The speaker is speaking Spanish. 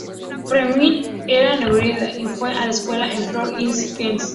Fleming era neoyorquina y fue a la escuela en Forest Hills, Queens.